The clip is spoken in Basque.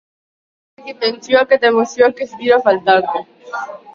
Tentsioa eta emozioa ez dira faltako.